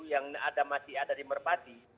yang masih ada di merpati